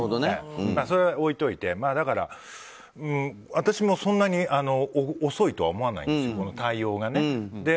それは置いておいて私もそんなに遅いとは思わないです対応がね。